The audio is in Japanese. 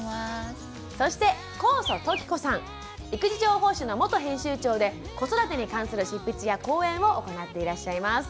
そして育児情報誌の元編集長で子育てに関する執筆や講演を行っていらっしゃいます。